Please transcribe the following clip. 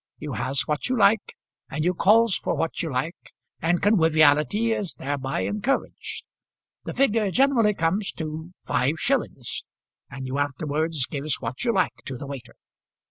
You has what you like, and you calls for what you like, and conwiviality is thereby encouraged. The figure generally comes to five shillings, and you afterwards gives what you like to the waiter.